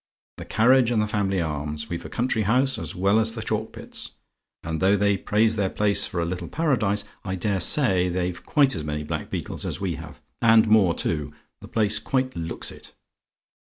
The carriage and the family arms! We've a country house as well as the Chalkpits! and though they praise their place for a little paradise, I dare say they've quite as many blackbeetles as we have, and more too. The place quite looks it!